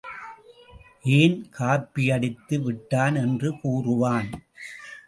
ஏன், காப்பியடித்து விட்டான் என்றே கூறுவான்.